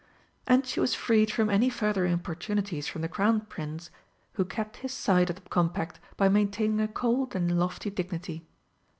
And she was freed from any further importunities from the Crown Prince, who kept his side of the compact by maintaining a cold and lofty dignity.